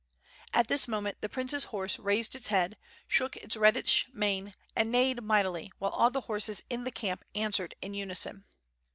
At this moment the prince's horse raised its head, shook its reddish mane, and neighed mightily, while all the horses in the camp answered in unison.